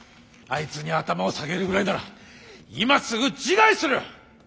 あいつに頭を下げるぐらいなら今すぐ自害する！